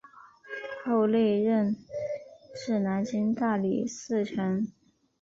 后累任至南京大理寺丞。